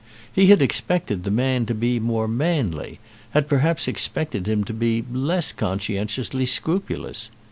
He had expected the man to be more manly, had perhaps expected him to be less conscientiously scrupulous.